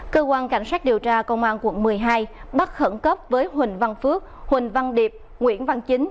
cơ quan cảnh sát điều tra công an quận một mươi hai bắt khẩn cấp với huỳnh văn phước huỳnh văn điệp nguyễn văn chính